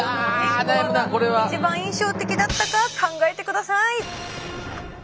どのへんコワが一番印象的だったか考えてください。